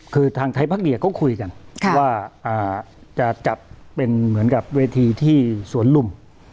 คือทางไทยพักเดียก็คุยกันว่าจะจัดเป็นเหมือนกับเวทีที่สวนลุม